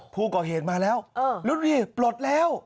พวกเขาเห็นมาแล้วแล้วดูนี่ปลดแล้ว